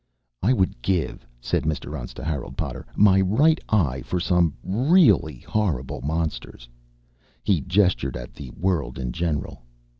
"I would give," said Mr. Untz to Harold Potter, "my right eye for some really horrible monsters." He gestured at the world in general.